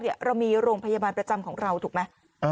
เรามีโรงพยาบาลประจำของเราถูกไหม